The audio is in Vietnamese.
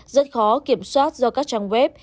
rất khó kiểm soát do các trang web